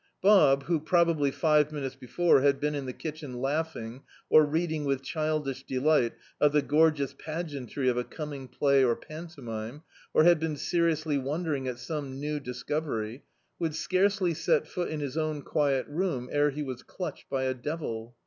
Bob, who, probably five minutes before, had been in the kitchen laughing, or reading with childish delist of the goi^eous pageantry of a coming play or pan tomime, or had been seriously wondering at some new discovery, would scarcely set foot in his own quiet room ere he was clutched by a devil.